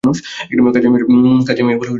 কাজের মেয়ে বলে তাকে মনে হয় না।